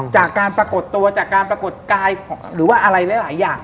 จากการปรากฏตัวจากการปรากฏกายหรือว่าอะไรหลายอย่าง